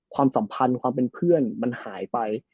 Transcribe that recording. ความสัมพันธ์ความเป็นเพื่อนมันหายไป